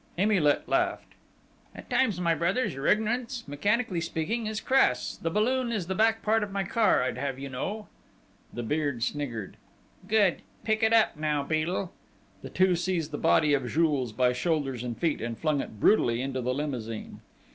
Emilet laughed. "At times, my brothers, your ignorance, mechanically speaking, is crass!... The balloon is the back part of my car, I'd have you know." The Beard sniggered. "Good!... Pick it up! Now, Beadle!" The two seized the body of Jules by shoulders and feet, and flung it brutally into the limousine.